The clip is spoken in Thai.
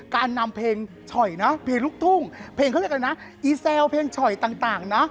กลับไปก่อนหน่อยค่ะ